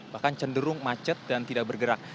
bahkan cenderung macet dan tidak bergerak